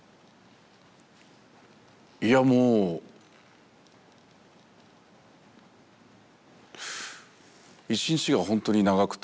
いやもう一日がほんとに長くて。